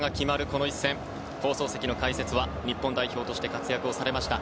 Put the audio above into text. この一戦放送席の解説は日本代表として活躍されました